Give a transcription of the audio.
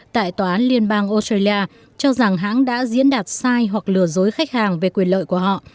tại tòa án liên bang australia cho rằng hãng đã diễn đạt sai hoặc lừa dối khách hàng về quyền lợi của họ